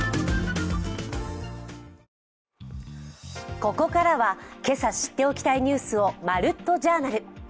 ここからは今朝、知っておきたいニュースを「まるっと！Ｊｏｕｒｎａｌ」。